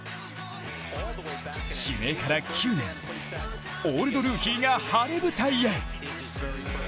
指名から９年、オールドルーキーが晴れ舞台へ。